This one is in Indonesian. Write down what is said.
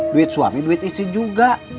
duit suami duit istri juga